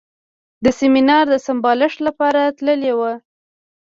د سیمینار د سمبالښت لپاره تللی و.